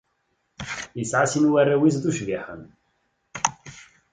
Yesɛa sin n warraw-is d ucbiḥen.